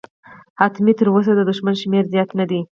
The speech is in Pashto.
حتمي، تراوسه د دښمن شمېر زیات نه دی.